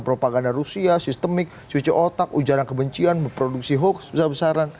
propaganda rusia sistemik cuci otak ujaran kebencian memproduksi hoax besar besaran